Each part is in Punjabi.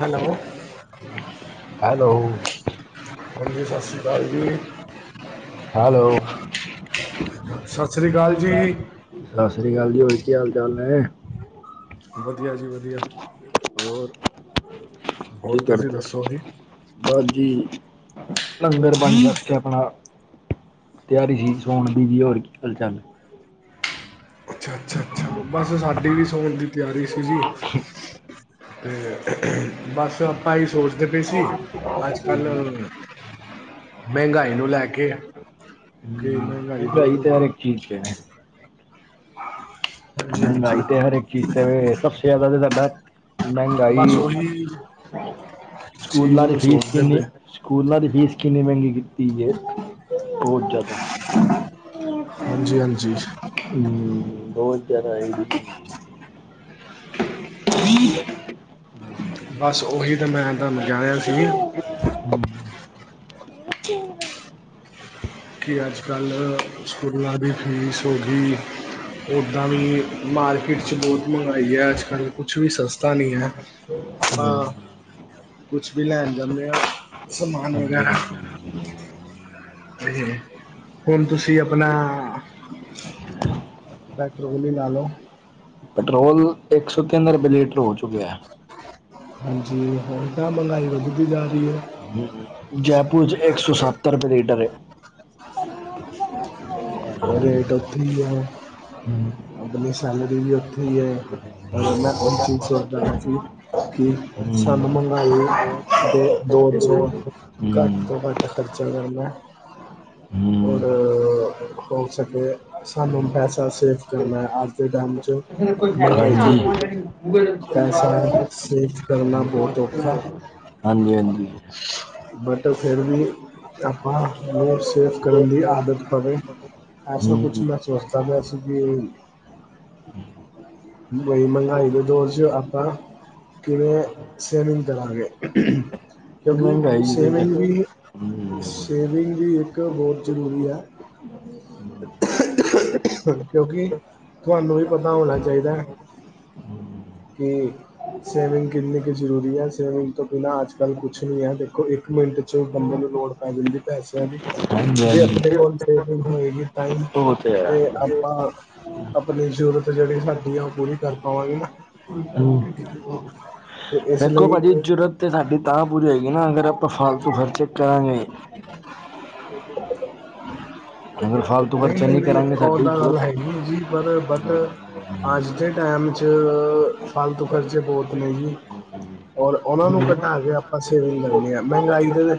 ਹੈਲੋ, ਹੈਲੋ ਹਾਂਜੀ, ਸਸ ਰੀ ਕਾਲ ਜੀ। ਹੈਲੋ। ਸਤਿ ਸ਼੍ਰੀ ਅਕਾਲ ਜੀ ਸਸ ਰੀ ਕਾਲ ਜੀ, ਹੋਰ ਕੀ ਹਾਲ- ਚਾਲ ਨੇ। ਵਧੀਆ ਜੀ ਵਧੀਆ। ਹੋਰ ਕੀ ਹੋਰ ਤੁਸੀਂ ਕਰਦੇ ਦੱਸੋ ਜੀ ਤੇ ਬਾਜੀ ਲੰਗਰ ਬਣ ਵੇ ਆਪਣਾ ਤਿਆਰੀ ਸੀ ਸੋਨਦੀ ਬੀ ਹੋਰ ਕੀ ਹਲਚੱਲ ਅੱਛਾ, ਅੱਛਾ, ਅੱਛਾ, ਬਸ ਸਾਡੀ ਵੀ ਸੌਣ ਦੀ ਤਿਆਰੀ ਸੀ ਜੀ। ਤੇ ਬਸ ਆਪਾਂ ਵੀ ਸੋਚਦੇ ਪਏ ਸੀ ਅੱਜ ਕੱਲ ਹਮ, ਮਹਿੰਗਾਈ ਨੂੰ ਲੈ ਕੇ ਕਿ ਮਹਿੰਗਾਈ ਬਹੁਤ ਹੋਗੀ ਠੀਕ ਹੈ। [inaudible] ਮਹੰਗਾਈ ਤੇ ਹਾਂਜੀ ਹਰ ਇੱਕ ਚੀਜ਼ ਤੇ ਸਭ ਸ ਜ਼ ਸਾਡਾ ਬਸ ਮਹਿੰਗਾਈ, ਉਹੀ ਚੀਜ਼ ਸਕੂਲਾਂ ਦੀ ਨੂੰ ਫ਼ੀਸ ਸੋਚਦੇ ਪਏ ਕਿੰਨੀ ਸਕੂਲਾਂ ਦੀ ਫੀਸ ਕਿੰਨੀ ਮਹਿੰਗੀ ਕੀਤੀ ਹੈ, ਬਹੁਤ ਜ਼ਿਆਦਾ ਹਾਂਜੀ ਹਾਂਜੀ ਹਮ ਬਹੁਤ ਜਿਆਦਾ ਹੈ। ਹ। ਬਸ ਉਓਹੀ ਤਾਂ ਮੈਂ ਤੁਹਾਨੂੰ ਗਿਆਆ ਸੀ। ਜੀ ਕਿ ਅੱਜ ਕੱਲ੍ਹ ਸਕੂਲਾਂ ਦੀ ਫੀਸ ਹੋ ਗਈ ਉੱਦਾਂ ਵੀ ਮਾਰਕੀਟ ' ਬਹੁਤ ਮਹਿੰਗਾਈ ਹੈ ਅਜ ਕੱਲ ਕੁਛ ਵੀ ਸਸਤਾ ਨਹੀਂ ਹੈ ਆਪਾਂ ਹਮ‌। ਕੁਛ ਵੀ ਲੈਣ ਜਾਂਦੇ ਆ ਸਮਾਨ ਹਾਂਜੀ ਵਗੈਰਾ ਹਾਂਜੀ ਹੁਣ ਤੁਸੀਂ ਆਪਣਾ [inaudible] ਡਾਕਟਰ ਓਲੀ ਨਾਲ ਨਾਲੋਂ ਪੈਟਰੋਲ ਇੱਕ ਸੌ ਤਿੰਨ ਰੁਪਏ ਲੀਟਰ ਹੋ ਚੁੱਕਿਆ ਹੈ ਹਾਂਜੀ ਹੁਣ ਤਾਂ ਮਹਿੰਗਾਈ ਵਧਦੀ ਜਾ ਰਹੀ ਹੈ ਹਮ ਜੈਪੁਰ ਚ ਇੱਕ ਸੌ ਸੱਤਰ ਰੁਪਏ ਲੀਟਰ ਹੈ ਹਮ, ਰੇਟ ਉੱਥੇ ਹੈ ਆਪਣੀ ਸੈਲਰੀ ਵੀ ਉੱਥੇ ਹੈ ਮੈਂ ਉਚੀਨ ਸੋਚਦਾ ਮੈ ਸੀ ਕਿ ਹਮ, ਹਮ, ਸਾਨੂੰ ਮੰਹਿੰਗਾਈ ਤੇ ਦੋ ਚ ਘੱਟ ਤੋਂ ਘੱਟ ਖਰਚਾ ਕਰਨਾ ਹਮ। ਔਰ ਹੋ ਸਕੇ ਸਾਨੂੰ ਪੈਸਾ ਸੇਵ ਕਰਨਾ ਅੱਜ ਦੇ ਟਾਈਮ 'ਚ ਮਹਿੰਗਾਈ 'ਚ ਹਾਂਜੀ ਪੈਸਾ ਸੇਵ ਕਰਨਾ ਬਹੁਤ ਔਖਾ ਹੈ, ਹਾਂਜੀ ਹਾਂਜੀ ਬਟ ਫੇਰ ਵੀ ਆਪਾਂ ਨੂੰ ਸੇਫ ਕਰਨ ਦੀ ਆਦਤ ਪਵੇ ਸਾ ਹਮ, ਕੁਛ ਵੀ ਅ ਚਸਤਾ ਵੀ ਅ ਸੀ ਵੀ ਬਹੀ ਮਹਿੰਗਾਈ ਦੇ ਦੋ ਆਪਾਂ ਕਿਵੇਂ ਸੇਵਿੰਗ ਕਰਾਂਗੇ? ਕਿਉਂਕਿ ਮਹਿੰਗਾਈ ਦੇ ਤੇ ਸੇਵਿੰਗ ਹਮ, ਵੀ ਸੇਵਿੰਗ ਵੀ ਇੱਕ ਬਹੁਤ ਜ਼ਰੂਰੀ ਹੈ ਬ ਕਿਉਂਕਿ ਤੁਹਾਨੂੰ ਵੀ ਪਤਾ ਹੋਣਾ ਚਾਹੀਦਾ ਹਮ ਕਿ ਸੇਵਿੰਗ ਕਿਤਨੀ ਕਿ ਜ਼ਰੂਰੀ ਹੈ ਸਵੀਮਿੰਗ ਤੋਂ ਬਿਨਾਂ ਅੱਜ ਕੱਲ੍ਹ ਕੁਛ ਨਹੀਂ ਹੈ ਦੇਖੋ ਇੱਕ ਮਿੰਟ 'ਚ ਬੰਦੇ ਨੂੰ ਲੋੜ ਪੈ ਜਾਂਦੀ ਪੈਸਿਆਂ ਦੀ ਹਾਂਜੀ ਜੇ ਹਾਂਜੀ ਆਪਣੇ ਕੋਲ ਸੇਵਿੰਗ ਹੋਏਗੀ ਟਾਈਮ ਉਹ ਹੈ ਤੇ ਆਪਾਂ ਆਪਣੀ ਜ਼ਰੂਰਤ ਜਿਹੜੀ ਸਾਡੀ ਆ ਉਹ ਪੂਰੀ ਕਰ ਪਾਵਾਂਗੇ ਨਾ ਹਮ ਹਾਂ ਦੇਖੋ ਭਾਜੀ ਜਰੂਰਤ ਤੇ ਸਾਡੀ ਤਾਂ ਪੂਰੀ ਹੈਗੀ ਨਾ ਅਗਰ ਆਪਾਂ ਫਾਲਤੂ ਖ਼ਰਚੇ ਕਰਾਂਗੇ ਅਗਰ ਫਾਲਤੂ ਨਹੀਂ ਖਰਚਾ ਨਹੀਂ ਨਹੀਂ ਉਹ ਕਰਾਂਗੇ ਸਾਡੀ ਤਾਂ ਗੱਲ ਜ਼ਰੂਰਤ ਹੈਗੀ ਜੀ ਪਰ ਬਟ ਅੱਜ ਦੇ ਟਾਈਮ 'ਚ ਫਾਲਤੂ ਖ਼ਰਚੇ ਬਹੁਤ ਨੇ ਜੀ ਔਰ ਉਹਨਾਂ ਨੂੰ ਘਟਾ ਕੇ ਆਪਾਂ ਸੇਵਿੰਗ ਕਰਨਦੇ ਹ ਮਹਿੰਗਾਈ ਦੇ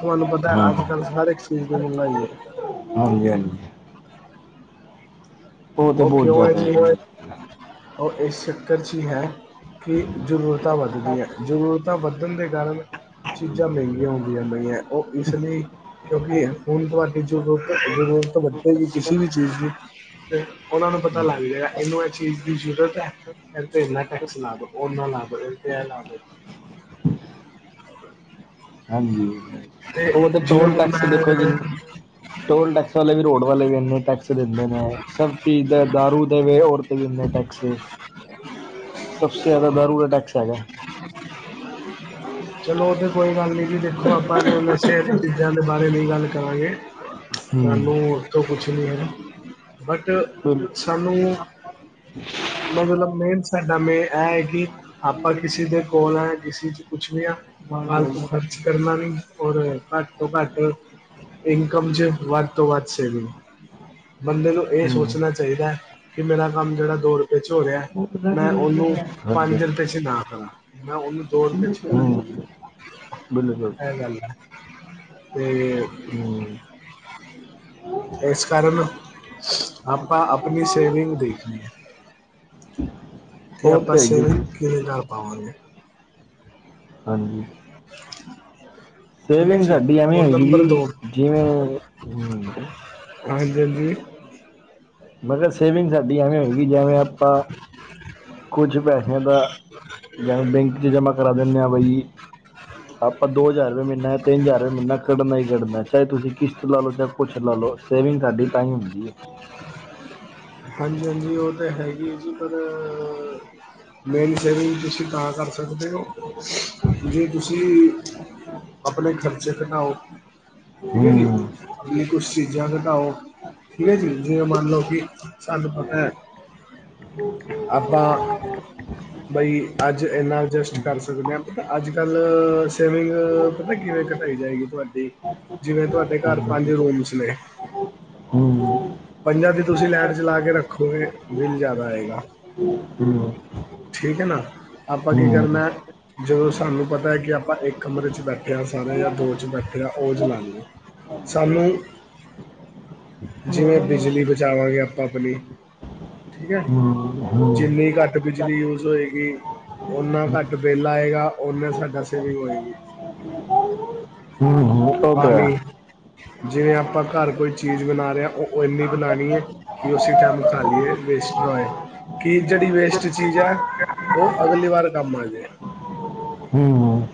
ਤੁਹਾਨੂੰ ਪਤਾ ਹਾਂ ਅੱਜ ਕੱਲ ਹਰ ਇੱਕ ਚੀਜ਼ ਦੀ ਮਲਾਈ ਹੈ ਹਾਂਜੀ ਹਾਂਜੀ ਤੇ ਉਹ ਬਹੁਤ ਕਿਉਂ ਹੈ ਜ਼ਿਆਦਾ ਜੀ ਉਹ ਇਸ ਚੱਕਰ ' ਹੀ ਹੈ ਕਿ ਜ਼ਰੂਰ ਾਂ ਵੱਧਦੀਆਂ ਜ਼ਰੂਰਤਾਂ ਵੱਧਣ ਦੇ ਕਾਰਨ ਚੀਜ਼ਾਂ ਮਹਿੰਗੀਆਂ ਹੁੰਦੀਆਂ ਪਈਆਂ ਉਹ ਇਸ ਲਈ ਕਿਉਂਕਿ ਫੁਨ ਤੁਹਾਡੀ ਜ਼ਰੂਰਤ ਜ਼ਰੂਰਤ ਵੱਧੇਗੀ ਕਿਸੇ ਵੀ ਚੀਜ਼ ਦੀ ਅਤੇ ਉਹਨਾ ਨੂੰ ਪਤਾ ਲੱਗ ਜਾਗਾ ਇਹਨੂੰ ਇਹ ਚੀਜ਼ ਦੀ ਜ਼ਰੂਰਤ ਹੈ [unintelligible] [unintelligible] ਹਾਂਜੀ ਅਤੇ ਉਹ ਤਾਂ ਜਿਵੇਂ ਟੋਲ ਹੁਣ ਟੈਕਸ ਮੈਂ ਦੇਖੋ ਕਿੰਨ ਟੋਲ ਟੈਕਸ ਵਾਲੇ ਵੀ ਰੋਡ ਵਾਲੇ ਵੀ ਇੰਨੇ ਟੈਕਸ ਦਿੰਦੇ ਨੇ ਸਭ ਸ਼ਹੀਦ ਦਾਰੂ ਦੇਵੇ ਔਰਤ ਵੀ ਇੰਨੇ ਟੈਕਸ ਸਭੇ ਜ਼ਿਆਦਾ ਦਾਰੂ ਟੈਕਸ ਹੈਗਾ ਚਲੋ ਤੇ ਕੋਈ ਗੱਲ ਨਹੀਂ ਜੀ ਦੇਖੋ ਅੱ ਆਪ ਨਸ਼ਿਆਂ ਦੀ ਚੀਜ਼ਾਂ ਦੇ ਬਾਰੇ ਨਹੀਂ ਗੱਲ ਕਰਾਂਗੇ ਹੂੰ ਸਾਨੂੰ ਉਹ ਕੁਛ ਨਹੀਂ ਹੈ ਬਟ ਬੋਲੋ, ਸਾਨੂੰ, ਮਤਲਬ ਮੇਨ ਸਾਡਾ ਮੇ ਇਹ ਹੈ ਕਿ, ਆਪਾਂ ਕਿਸੇ ਦੇ ਕੋਲ ਆ ਕਿਸੇ ਚ ਕੁਛ ਵੀ ਹ ਫਾਲਤੂ ਖਰਚ ਕਰਨਾ ਨਹੀਂ, ਔਰ ਘੱਟ ਤੋਂ ਘੱਟ- ਇਨਕਮ ਚ ਵੱਧ ਤੋਂ ਵੱਧ ਸੇਵਿੰਗ ਬੰਦੇ ਨੂੰ ਇਹ ਸੋਚ, ਹੂੰ ਹੋਣਾ ਚਾਹੀਦਾ ਕਿ ਮੇਰਾ ਕੰਮ ਜਿਹੜਾ ਦੋ ਰੁਪਏ ਚ ਹੋ ਰਿਹਾ, ਮੈਂ ਉਹਨੂੰ ਹਾਂਜੀ ਪੰਜ ਰੁਪਏ ਨਾ ਕਰਾਂ, ਮੈਂ ਉਹਨੂੰ ਦੋ ਰੁਪਏ ਚ ਹਾਂਜੀ ਕਰਾਂ ਹੂੰ ਬਿਲਕੁਲ ਇਹ ਗੱਲ ਐ, ਤੇ ਹੂੰ ਇਸ ਕਾਰਨ ਆਪਾਂ ਆਪਣੀ ਸੇਵਿੰਗ ਦੇਖਣੀ ਆ, ਤੇ ਉਹ ਆਪਾਂ ਹੈ ਹੀ ਹੈ ਸੇਵਿੰਗ ਜੀ ਕਿਦੇ ਨਾਲ ਪਾਵਾਂਗੇ, ਹਾਂਜੀ, [inaudible] ਸੇਵਿੰਗ ਜੀ ਸਾਡੀ ਐਵੇਂ ਹੋਏਗੀ ਜੀ, ਜਿਵੇਂ ਹੂੰ, ਹਾਂਜੀ-ਹਾਂਜੀ, ਮਗਰ ਸੇਵਿੰਗ ਸਾਡੀ ਐਵੇਂ ਹੋਏਗੀ ਜਿਵੇਂ ਆਪਾਂ ਕੁਛ ਪੈਸੇ ਅ ਤਾਂ ਜਵੇਂ ਬੈਂਕ ਚ ਜਮਾ ਕਰਾ ਦਿੰਦੇ ਹ ਭਾਈ ਜੀ ਆਪਾਂ ਦੋ ਹਜ਼ਾਰ ਰੁਪਏ ਮਹੀਨਾ ਜਾਂ ਤਿੰਨ ਹਜ਼ਾਰ ਰੁਪਏ ਮਹੀਨਾ ਕੱਢਣਾ ਹੀ ਕੱਢਨਾ ਚਾਹੇ ਤੁਸੀਂ ਕਿਸ਼ਤ ਲਾ ਲੋ ਚਾਹੇ ਕੁਛ ਲਾ ਲ ਲੋ ਸੇਵਿੰਗ ਸਾਡੀ ਤਾਂ ਹੀ ਹੁੰਦੀ ਹੈ ਹਾਂਜੀ ਹਾਂਜੀ ਉਹ ਤਾਂ ਹੈਗੀ ਹੈ ਜੀ ਪਰ ਮੇਰੀ ਸੇਵਿੰਗ ਤੁਸੀਂ ਤਾਂ ਕਰ ਸਕਦੇ ਹੋ ਜੇ ਤੁਸੀਂ ਆਪਣੇ ਖਰਚੇ ਘਟਾਓ ਠੀਕ ਹੈ ਜੀ ਹੂੰ ਆਪਣੀ ਕੁਛ ਚੀਜ਼ਾਂ ਘਟਾਓ ਠੀਕ ਹੈ ਜੀ ਜਿਵੇਂ ਮੰਨ ਲਓ ਕਿ ਸਾਨੂੰ ਪਤਾ ਹੈ ਆਪਾਂ ਬਾਈ। ਅੱਜ, ਇੰਨਾ ਅਡਜਸਟ ਹੂੰ ਕਰ ਸਕਦੇ ਹਾਂ, ਪਤਾ ਅੱਜ-ਕੱਲ ਸੇਵਿੰਗ ਪਤਾ ਕਿਵੇਂ ਪਾਈ ਜਾਏਗੀ ਤੁਹਾਡੀ। ਜਿਵੇਂ, ਤੁਹਾਡੇ ਘਰ ਪੰਜ ਰੂਮਸ ਨੇ ਹੂ, ਪੰਜਾਂ ਦੀ ਤੁਸੀਂ ਲਾਈਟ ਚਲਾ ਕੇ ਰੱਖੋਗੇ ਬਿੱਲ ਜ਼ਿਆਦਾ ਆਏਗਾ, ਹੂੰ ਠੀਕ ਹੈ ਨਾ, ਆਪਾਂ ਕੀ ਕਰਨਾ ਜਦੋਂ ਸਾਨੂੰ ਪਤਾ ਹੈ ਕਿ ਆਪਾਂ ਇੱਕ ਕਮਰੇ 'ਚ ਬੈਠੇ ਹਾਂ ਸਾਰੇ ਜਾਂ ਦੋ 'ਚ ਬੈਠੇ ਹਾਂ ਉਹ ਚਲਾਲੋ। ਸਾਨੂੰ, ਜਿਵੇਂ ਬਿਜਲੀ ਬਚਾਵਾਂਗੇ ਆਪਾਂ ਆਪਣੀ ਠੀਕ ਹੈ, ਹੂੰ ਜਿੰਨੀ ਘੱਟ ਵੀ ਬਿਜਲੀ ਯੂਜ ਹੋਏਗੀ, ਓਨਾ ਘੱਟ ਬਿੱਲ ਆਏਗਾ, ਓਨਾਂ ਸਾਡਾ ਸੇਵਿੰਗ ਹੋਏਗੀ। ਹੂੰ, ਹੂੰ, ਪਤੋ ਕਿਆ ਹੈ। ਜੇ, ਆਪਾ ਘਰ ਕੋਈ ਚੀਜ਼ ਬਣਾ ਰਹੇ ਹਾਂ, ਉਹ ਇਨੀ ਬਣਾਣੀ ਏ। ਕਿ, ਉਸੀ ਟਾਈਮ ਖਾ ਲਈਏ ਵੇਸਟ ਨਾ ਹੋਏ, ਕਿ ਜਿਹੜੀ ਵੇਸਟ ਕੀ ਚੀਜ਼ ਹੈ, ਉਹ ਅਗਲੀ ਵਾਰ ਕੰਮ ਆਜੇ। ਹੂੰ,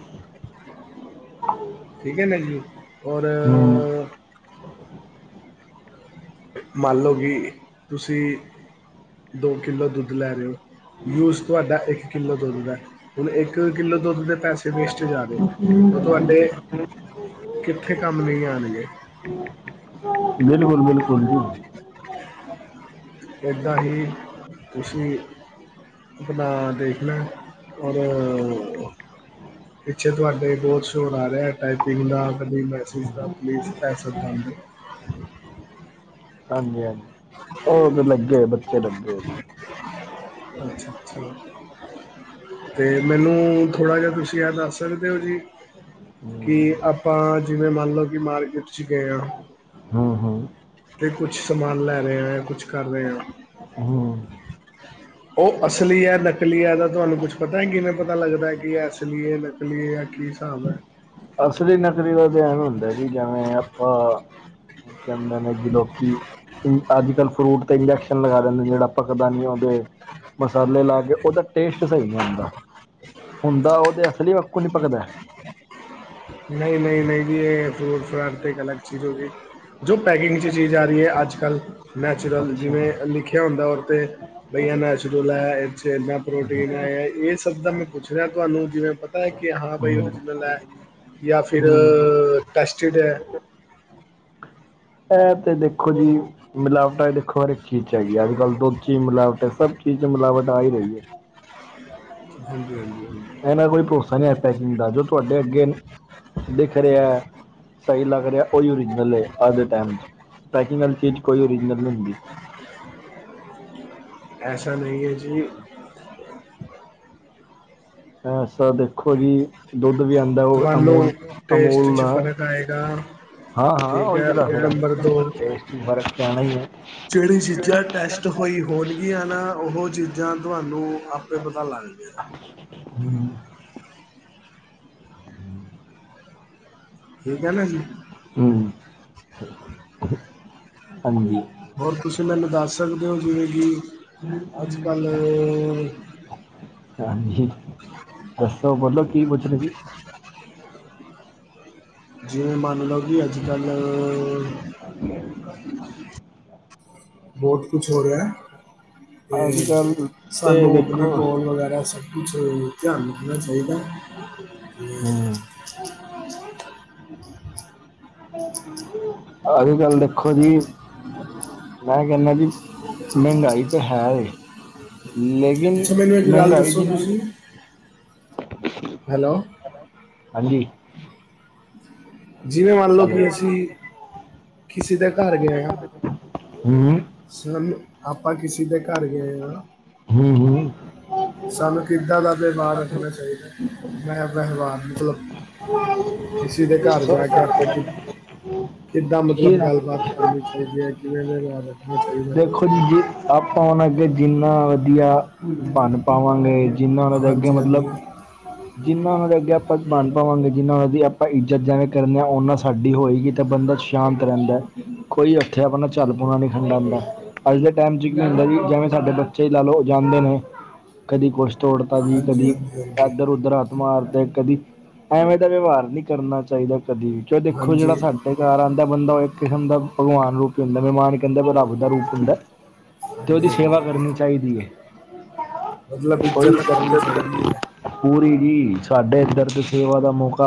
ਠੀਕ ਹੈ, ਨਾ ਜੀ। ਔਰ ਹੂੰ ਮੰਨ ਲਓ ਕਿ, ਤੁਸੀਂ, ਦੋ-ਕਿੱਲੋ ਦੁੱਧ ਲੈ ਰਹੇ ਹੋ ਯੂਜ ਤੁਹਾਡਾ ਇੱਕ ਕਿੱਲੋ ਦੁੱਧ ਦਾ, ਹੁਣ, ਇੱਕ ਕਿੱਲੋ ਦੁੱਧ ਦੇ ਪੈਸੇ ਵੇਸਟ ਜਾ ਰਹੇ। [inaudible] ਉਹ ਤੁਹਾਡੇ ਕਿੱਥੇ ਕੰਮ ਨਹੀਂ ਆਉਣਗੇ ਬਿਲਕੁਲ, ਬਿਲਕੁਲ ਜੀ! ਏਦਾਂ ਹੀ, ਤੁਸੀਂ ਆਪਨਾ ਦੇਖਣਾ, ਔਰ ਪਿੱਛੇ ਤੁਹਾਡੇ ਬਹੁਤ ਸ਼ੋਰ ਆ ਰਿਹਾ, ਟਾਈਪੀੰਗ ਦਾ ਕਦੀ ਮੈਸੇਜ ਦਾ ਪਲੀਜ਼ ਪੈਸਾ ਦੇ ਦਿਓ। [inaudible] ਹਾਂਜੀ, ਹਾਂਜੀ! ਉਹ ਤੇ ਲੱਗੇ ਹੋਏ, ਬੱਚੇ, ਬੱਡੇ ਜੀ। ਅੱਛਾ-ਅੱਛਾ! ਅਤੇ ਮੈਨੂੰ, ਥੋੜ੍ਹਾ ਜਿਹਾ ਤੁਸੀਂ ਇਹ ਦੱਸ ਸਕਦੇ ਹੋ, ਜੀ? ਕਿ, ਹੂੰ ਆਪਾਂ ਜਿਵੇਂ ਮੰਨ ਲਓ ਕਿ ਮਾਰਕੀਟ'ਚ ਗਏ ਹਾਂ। ਹੂੰ ਹੂੰ ਤੇ ਕੁਛ ਸਮਾਨ ਲੈ ਰਹੇ ਆ, ਯਾ ਕੁਛ ਕਰ ਰਹੇ ਹਾਂ। ਹੂੰ ਉਹ ਅਸਲੀ ਹੈ, ਨਕਲੀ ਹੈ, ਤਾਂ ਤੁਹਾਨੂੰ ਕੁੱਛ ਪਤਾ ਕਿਵੇਂ ਪਤਾ ਲੱਗਦਾ? ਕਿ, ਅਸਲੀ ਹੈ ਨਲੀ ਕੀ ਐ, ਕੀ ਹਿਸਾਬ ਹੈ? ਅਸਲੀ ਨਕਲੀ ਦਾ, ਤ, ਐਵੇ ਹੁੰਦਾ ਜੀ, ਜਿਵੇਂ, ਆਪਾਂ ਕਹਿੰਦੇ ਨੇ ਕੀ ਲੋਕੀ, ਇ ਅੱਜ-ਕੱਲ ਫਰੂਟ ਤੇ, ਇੰਡਕਸ਼ਨ ਲਗਾ ਦਿੰਦੇ ਜਿਹੜਾ ਪਕਦਾ ਨੀ ਆਉਂਦੇ ਮਸਾਲੇ ਲਾਕੇ ਉਹਦਾ ਟੇਸਟ ਸਹੀ ਨਹੀਂ ਹੁੰਦਾ। ਹੁੰਦਾ, ਉਹਦੇ ਅਸਲੀ ਵਕੂ ਨੀ ਭਕਦਾ ਨਹੀਂ, ਨਹੀਂ, ਨਹੀਂ ਜੀ, ਏ, ਫਰੂਟ- ਫਰਾਟ ਤੇ, ਇੱਕ ਅਲਗ ਚੀਜ਼ ਹੋਗੀ। ਜੋ ਪੈਕਿੰਗ 'ਚ ਚੀਜ਼ ਆ ਰਹੀ ਹੈ, ਅੱਜ-ਕੱਲ ਨੈਚੁਰਲ ਅੱਛਾ ਜਿਵੇਂ, ਲਿਖਿਆ ਹੁੰਦਾ ਉਹਤੇ ਬਈ ਆ ਨੈਚਰਲ ਐ, ਇਹ'ਚ ਇੱਨਾ ਪ੍ਰੋਟੀਨ ਆ, ਇਹ ਸਭ ਤਾ ''ਮੈਂ ਪੁੱਛ ਰਿਹਾ ਤੁਹਾਨੂੰ, ਜਿਵੇਂ ਪਤਾ ਹੈ ਕਿ, ਹਾਂ ਬਾਈ ਹੂੰ ਓਰੀਜਨਲ ਐ, ਯਾ ਫਿਰ ਇਹ ਟੈਸਟਿਡ ਹੈ। ਐ, ਤੇ ਦੇਖੋ ਜੀ। ਮਿਲਾਵਟਾਂ ਦੇਖੋ ਹਰ ਇੱਕ ਚੀਜ਼'ਚ ਹੈਗੀ ਆ! ਅੱਜ- ਕੱਲ ਦੁੱਧ'ਚੀ ਮਿਲਾਵਟਾ ਸਭ ਚੀਜ਼ 'ਚ ਮਿਲਾਵਟ ਆ ਹੀ ਰਹੀ ਹੈ! ਹਾਂਜੀ-ਹਾਂਜੀ! ਇਹਨਾ ਕੋਈ ਭਰੋਸਾ ਨਹੀਂ ਹੈ। ਪੈਕਿੰਗ ਦਾ ਜੋ ਤੁਹਾਡੇ ਅੱਗੇ, ਦਿਖ ਰਿਹਾ। ਸਹੀ ਲੱਗ ਰਿਹਾ, ਓਹੀ ਓਰੀਜਨਲ ਹੈ। ਅੱਜ ਦੇ ਟਾਈਮ' ਚ' ਪੈਕਿੰਗ ਵਾਲੀ ਚੀਜ਼ ਕੋਈ ਓਰੀਜਨਲ ਨਹੀਂ ਹੁੰਦੀ! [inaudible] ਐਸਾ ਨਹੀਂ ਏ, ਜੀ। ਹਾਂ, ਸਾਦੇ ਦੇਖੋ ਜੀ, ਦੁੱਧ ਵੀ ਆਦਾ ਉਹ ਤੁਹਾਨੂੰ ਟੇਸਟ ਅਮੂਲ-ਅਮੂਲ 'ਚ ਦਾ। ਫ਼ਰਕ ਆਏਗਾ ਹਾਂ-ਹਾਂ, ਠੀਕ ਉਹੀ ਹੈ ਤੇ ਤਾਂ ਔਰ ਨੰਬਰ ਦੋ ਫਰਕ ਪੈਣਾ ਹੀ ਹੈ। ਜਿਹੜੀ ਚੀਜ਼ਾਂ ਟੈਸਟ ਹੋਈ ਹੋਣਗੀਆਂ ਨਾ, ਉਹ ਚੀਜ਼ਾਂ ਤੁਹਾਨੂੰ ਆਪੇ ਪਤਾ ਲੱਗ ਜਾਏਗਾ। ਹੁ [inaudible] ਠੀਕ ਹੈ, ਨਾ ਜੀ। ਹੂੰ। ਪੰਜੀ। ਹੋਰ, ਤੁਸੀਂ ਮੈਨੂੰ ਦੱਸ ਸਕਦੇ ਹੋ? ਜਿਵੇਂ, ਕਿ, ਅੱਜ- ਕੱਲ ਹਾਂਜੀ। ਦੱਸੋ, ਬੋਲੋ, ਕੀ ਪੁੱਛਦੇ ਸੀ? ਜਿਵੇਂ, ਮੰਨ ਲਓ ਕਿ, ਅੱਜ-ਕੱਲ ਅਤ ਨਹੀਂ [unintelligible] ਬਹੁਤ ਕੁਛ ਹੋ ਰਿਹਾ, ਅੱਜ ਅਤੇ ਕੱਲ੍ਹ ਤੇ ਸਾਨੂੰ ਅਪਨੀ ਦੇਖੋ ਕੋਲ ਵਗੈਰਾ ਸ ਕੂਛ ਧਿਆਨ ਦੇਣਾ ਚਾਹੀਦਾ, ਤੇ ਹਮ ਅਸੀ, ਮੈਂ ਕਹਿੰਦਾ ਜੀ ਮਹਿੰਗਾਈ ਤੇ ਹੈ। ਅਤੇ ਲੇਕਿਨ ਅੱਛਾ ਮੈਨੂੰ ਇੱਕ ਗੱਲ ਮਹਿੰਗਾਈ ਦੱਸੋ ਜਿੰ ਤੁਸੀਂ ਹੈਲੋ ਹਾਂਜੀ, ਜਿਵੇਂ ਮੰਨ ਲਓ, ਕਿ ਹੈਲੋ ਅਸੀਂ ਕਿਸੇ ਦੇ ਘਰ ਗਏ ਹਾਂ। ਹਮ ਸਰਨ ਆਪਾਂ ਕਿਸੇ ਦੇ ਘਰ ਗਏ ਹਾਂ। ਹੂੰ-ਹੂੰ, ਸਾਨੂੰ ਕਿੱਦਾਂ ਦਾ ਵਿਵਹਾਰ ਰੱਖਣਾ ਚਾਹੀਦਾ, ਮੈਂ ਵਿਵਹਾਰ ਮਤਲਬ ਕਿਸੇ ਦੇ ਘਰ ਜਾ ਕੇ ਆਪਾਂ ਕਿ ਕਿੱਦਾਂ ਕੀ ਮਤਲਬ ਆ ਗੱਲਬਾਤ ਕਰਨੀ ਚਾਹੀਦੀ ਹੈ, ਕਿ ਮੋਜੂਦ ਰੱਖਣਾ ਚਾਹੀਦਾ। ਦੇਖੋ ਜੀ, ਜੇ ਆਪਾਂ ਹੁਣ ਅੱਗੇ ਜਿੰਨਾ ਵਧੀਆ ਬਨ ਪਾਵਾਂਗੇ। ਜਿਨਾ ਉਹਨਾਂ ਦੇ ਅੱਗੇ ਹਾਂਜੀ ਮਤਲਬ, ਹਾਂਜੀ ਜਿੰਨਾ ਉਹਨਾਂ ਦੇ ਅੱਗੇ ਆਪਾਂ ਬਣ ਪਾਵਾਂਗੇ, ਜਿੰਨਾ ਉਹਨਾਂ ਦੀ ਆਪਾਂ ਇੱਜ਼ਤ ਜਿਵੇ। ਕਰਨਾ ਉਹਨਾਂ ਸਾਡੀ ਹੋਏਗੀ, ਤਾਂ ਬੰਦਾ ਸ਼ਾਂਤ ਰਹਿੰਦਾ, ਕੋਈ ਉੱਥੇ ਆਪਣਾ ਝੱਲ ਪੂਣਾ ਖਡਾਉਂਦਾ। ਅੱਜ ਦੇ ਟਾਈਮ ਚ ਕੀ ਹੁੰਦਾ ਜੀ, ਜਿਵੇਂ ਸਾਡੇ ਬੱਚੇ ਲੈ ਲਓ ਜਾਂਦੇ ਨੇ, ਕਦੀ ਕੁਝ ਤੋੜਤਾ ਜੀ ਕਦੀ [unintelligible] ਇੱਧਰ ਉਧਰ ਹੱਥ ਮਾਰਤੇ ਕਦੀ, ਐਵੇਂ ਦਾ ਵਿਵਹਾਰ ਨਹੀਂ ਕਰਨਾ ਚਾਹੀਦਾ ਕਦੀ ਵੀ। ਚ ਦੇਖੋ ਜਿੜਾ ਹਾਂਜੀ ਸਾਡਾ। ਤੇ ਘਰ ਆਉਂਦਾ ਬੰਦਾ, ਉਹ ਇੱਕ ਕਿਸਮ ਦਾ ਭਗਵਾਨ ਰੂਪ ਹੀ ਹੁੰਦਾ। ਮਹਿਮਾਨ ਕਹਿੰਦਾ ਰੱਬ ਦਾ ਰੂਪ ਹੁੰਦਾ। ਤੇ ਹਾਂਜੀ ਉਹਦੀ, ਸੇਵਾ ਹਾਂਜੀ ਕਰਨੀ ਚਾਹੀਦੀ ਹੈ। ਮਤਲਬ, ਉਹਦੀ ਇੱਜਤ ਕਰਨੀ ਚਾਹੀਦੀ ਹੈ। ਪੂਰੀ ਜੀ, ਸਾਡੇ ਇਧਰ ਤੇ ਸੇਵਾ ਦਾ ਮੌਕਾ